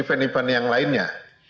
penipuan yang lainnya